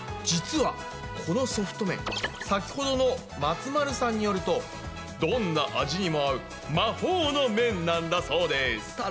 実はこのソフト麺先ほどの松丸さんによるとどんな味にも合う魔法の麺なんだそうです。